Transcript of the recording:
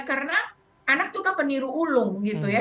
karena anak itu kan peniru ulung gitu ya